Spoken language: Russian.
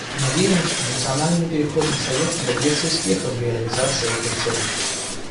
Мы верим, что Национальный переходный совет добьется успеха в реализации этой цели.